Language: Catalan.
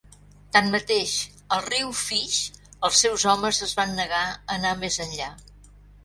Tanmateix, al riu Fish, els seus homes es van negar a anar més enllà.